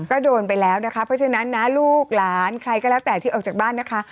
ก็โดนไปแล้วนะคะเพราะฉะนั้นนะลูกหลานใครก็แล้วแต่ที่ออกจากบ้านนะคะ